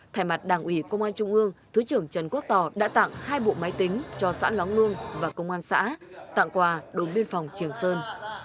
thay mặt đảng ủy công an trung ương thứ trưởng trần quốc tò đã tặng hai bộ máy tính cho xã lóng lương và công an xã tặng quà đối với biên phòng triều sơn